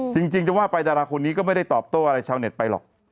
จริงจะว่าไปดาราคนนี้ก็ไม่ได้ตอบโต้อะไรชาวเน็ตไปหรอก